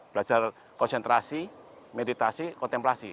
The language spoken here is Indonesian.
belajar konsentrasi meditasi kontemplasi